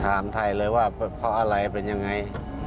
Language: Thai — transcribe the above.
ถามไทยเลยว่าเพราะอะไรเป็นยังไง